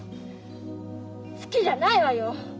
好きじゃないわよ！